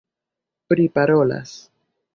priparolas